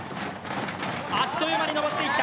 あっという間に登っていった。